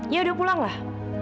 ya udah pulang lah